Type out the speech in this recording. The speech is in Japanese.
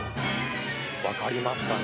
分かりますかね。